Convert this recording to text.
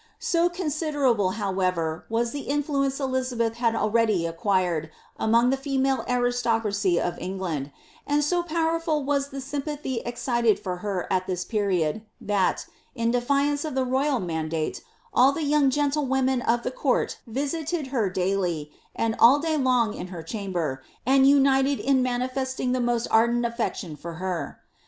So considerable, however, was the influence Elizabeth had already acquired among the female aristocracy of England, and so powerful was the sympathy excited for her at this period, that, in defiance of the roval mandate, all the young gentlewomen of the court visited her daily, and all day long in her chamber, and united in manifesting the most ardent affection for her.